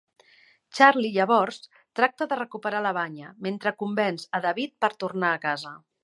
Charlie llavors, tracta de recuperar la banya, mentre convenç a David per tornar a casa.